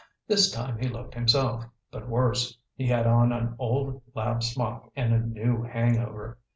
This time he looked himself, but worse. He had on an old lab smock and a new hangover.